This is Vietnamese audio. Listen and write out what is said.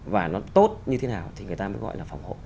và nó tốt như thế nào thì người ta mới gọi là phòng hộ